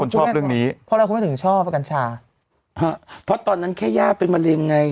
ชอบเรื่องนี้เพราะอะไรคุณแม่ถึงชอบกัญชาฮะเพราะตอนนั้นแค่ย่าเป็นมะเร็งไง